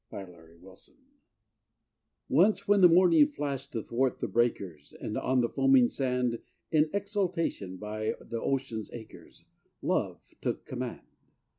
WITH THE TIDE Once when the morning flashed athwart the breakers, And on the foaming sand, In exultation, by the ocean's acres, Love took command.